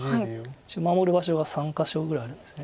一応守る場所が３か所ぐらいあるんです。